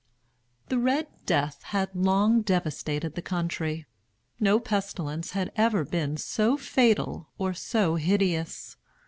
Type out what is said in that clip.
The "Red Death" had long devastated the country. No pestilence had ever been so fatal, or so hideous.